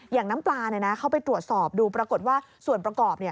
น้ำปลาเข้าไปตรวจสอบดูปรากฏว่าส่วนประกอบ